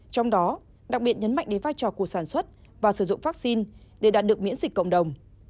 trong đó đặc biệt nhấn mạnh đến vai trò của sản xuất và sử dụng vaccine để đạt được miễn dịch cộng đồng